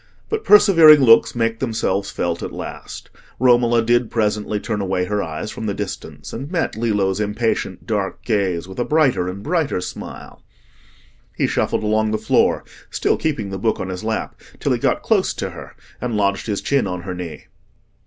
But persevering looks make themselves felt at last. Romola did presently turn away her eyes from the distance and met Lillo's impatient dark gaze with a brighter and brighter smile. He shuffled along the floor, still keeping the book on his lap, till he got close to her and lodged his chin on her knee.